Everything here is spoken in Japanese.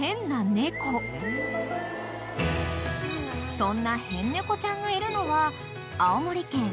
［そんな変猫ちゃんがいるのは］